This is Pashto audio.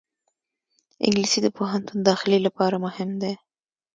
انګلیسي د پوهنتون داخلې لپاره مهمه ده